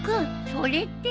それって。